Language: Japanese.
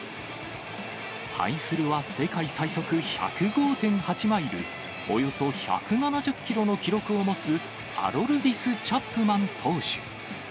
対するは世界最速１０５．８マイル、およそ１７０キロの記録を持つ、アロルディス・チャップマン投手。